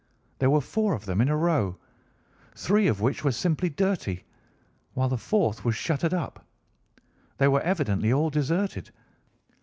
There were four of them in a row, three of which were simply dirty, while the fourth was shuttered up. They were evidently all deserted.